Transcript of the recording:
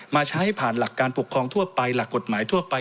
มาใช้ผ่านหลักการปกครองทั่วไปหลักกฎหมายทั่วไป